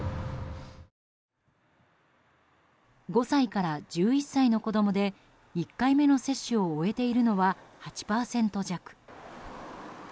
５歳から１１歳の子供で１回目の接種を終えているのは８％弱。